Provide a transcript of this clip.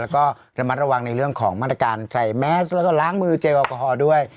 แล้วก็ระมัดระวังในเรื่องของมาตรการใส่แมสแล้วก็ล้างมือเจลแอลกอฮอล์ด้วย